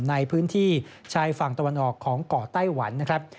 ในพื้นที่ชายฝั่งตะวันออกของเกาะไต้หวันนะครับ